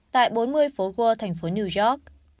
tại bốn mươi phố wall thành phố new york